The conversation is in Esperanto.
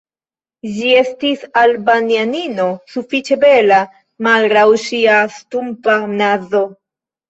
Ĝi estis Albanianino sufiĉe bela, malgraŭ ŝia stumpa nazo.